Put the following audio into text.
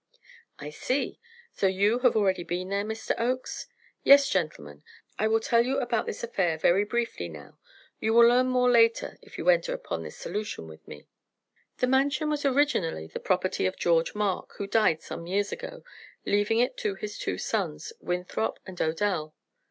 "I see. So you have been there already, Mr. Oakes?" "Yes, gentlemen. I will tell you about this affair very briefly now. You will learn more later, if you enter upon its solution with me. "The Mansion was originally the property of George Mark, who died some years ago, leaving it to his two sons, Winthrop and Odell.